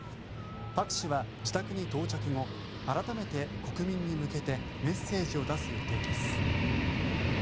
朴氏は自宅に到着後改めて国民に向けてメッセージを出す予定です。